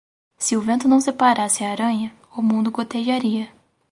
Se o vento não separasse a aranha, o mundo gotejaria.